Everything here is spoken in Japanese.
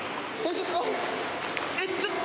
えっ？